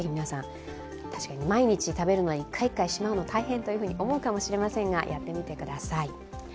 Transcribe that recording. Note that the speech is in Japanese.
確かに毎日食べるのに、１回１回しまうのは大変と思うかもしれませんが、やってみてください。